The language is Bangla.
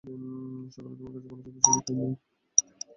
সকালে তোমার কাছে ক্ষমা চাইবার সুযোগ হয়নি।